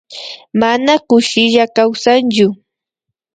Mana kushilla kawsanllu